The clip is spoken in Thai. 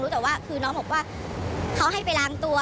แต่ว่าคือน้องบอกว่าเขาให้ไปล้างตัว